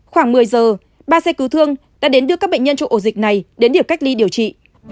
khoảng một mươi giờ ba xe cứu thương đã đến đưa các bệnh nhân trong ổ dịch này đến điểm cách ly điều trị